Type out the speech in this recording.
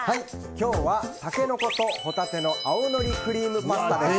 今日はタケノコとホタテの青のりクリームパスタです。